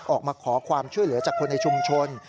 ออกมาขอความช่วยเหลือจากคนในชุมชน